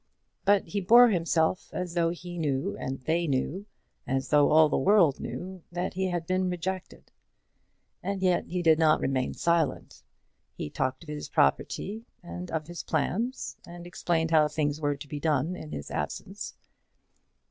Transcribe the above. But he bore himself as though he knew and they knew as though all the world knew that he had been rejected. And yet he did not remain silent. He talked of his property and of his plans, and explained how things were to be done in his absence.